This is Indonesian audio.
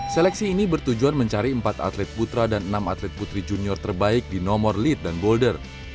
seleksi ini bertujuan mencari empat atlet putra dan enam atlet putri junior terbaik di nomor lead dan boulder